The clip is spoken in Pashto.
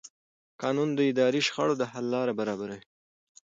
قانون د اداري شخړو د حل لاره برابروي.